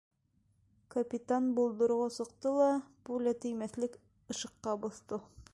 Капитан болдорға сыҡты ла пуля теймәҫлек ышыҡҡа боҫто.